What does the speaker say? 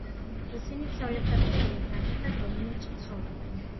ისინი ცოლებთან და შვილებთან ერთად რუმინეთში ცხოვრობენ.